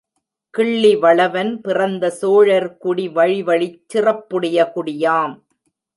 கிள்ளி வளவன் பிறந்த சோழர்குடி வழி வழிச் சிறப்புடைய குடியாம்.